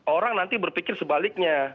orang nanti berpikir sebaliknya